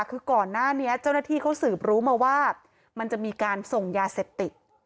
คือก่อนหน้านี้เจ้าหน้าที่เขาสืบรู้มาว่ามันจะมีการส่งยาเสพติด